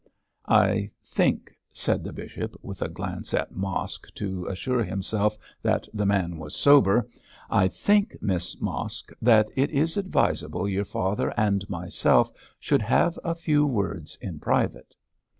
'I think,' said the bishop, with a glance at Mosk to assure himself that the man was sober 'I think, Miss Mosk, that it is advisable your father and myself should have a few words in private.'